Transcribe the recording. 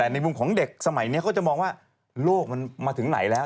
แต่ในมุมของเด็กสมัยนี้เขาจะมองว่าโลกมันมาถึงไหนแล้ว